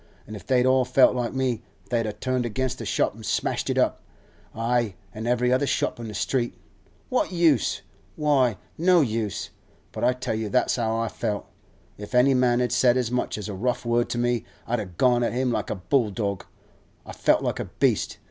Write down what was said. An' if they'd all felt like me, they'd a turned against the shop an' smashed it up—ay, an' every other shop in the street! What use? Why, no use; but I tell you that's how I felt. If any man had said as much as a rough word to me, I'd a gone at him like a bulldog. I felt like a beast.